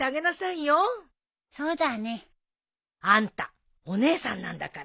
そうだね。あんたお姉さんなんだから。